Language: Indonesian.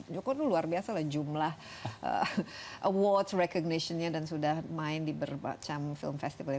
joko luar biasa lah jumlah awards recognitionnya dan sudah main di berbagai macam film